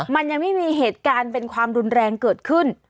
มันยังไม่มีเหตุการณ์เป็นความรุนแรงเกิดขึ้น